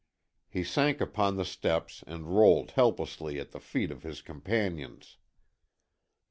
He sank upon the steps and rolled helplessly at the feet of his companions.